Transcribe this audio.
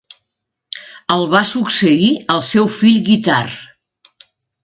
El va succeir el seu fill Guitard.